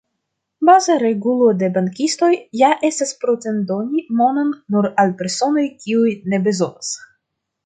Baza regulo de bankistoj ja estas pruntedoni monon nur al personoj kiuj ne bezonas.